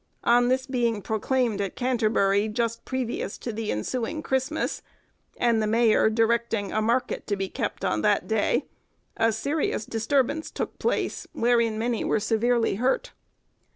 On this being proclaimed at Canterbury, just previous to the ensuing Christmas, and the mayor directing a market to be kept on that day, a serious disturbance took place, wherein many were severely hurt.